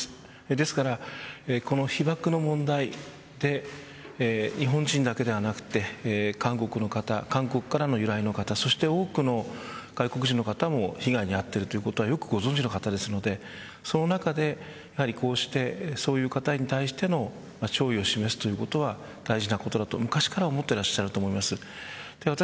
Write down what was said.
ですから被爆の問題で日本人だけではなくて韓国の方韓国からの由来の方そして多くの外国人の方も被害に遭っているということはご存じの方ですのでこうした中でそういう人に対しての弔意を示すということは大事なことだと思っていると思います。